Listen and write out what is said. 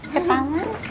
ke taman ke kebon